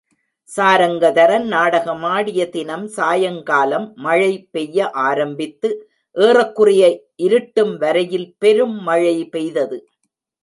சாரங்கதரன் நாடகமாடிய தினம் சாயங்காலம் மழை பெய்ய ஆரம்பித்து ஏறக்குறைய இருட்டும் வரையில் பெரும் மழை பெய்தது.